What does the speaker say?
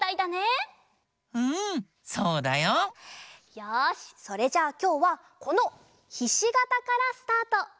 よしそれじゃあきょうはこのひしがたからスタート。